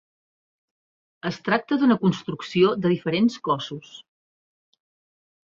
Es tracta d'una construcció de diferents cossos.